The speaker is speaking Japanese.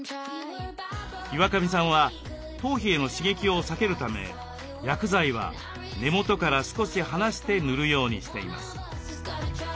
岩上さんは頭皮への刺激を避けるため薬剤は根元から少し離して塗るようにしています。